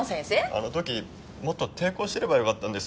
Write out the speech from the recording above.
あの時もっと抵抗していればよかったんですよ。